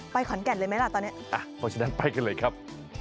ขอนแก่นเลยไหมล่ะตอนนี้อ่ะเพราะฉะนั้นไปกันเลยครับ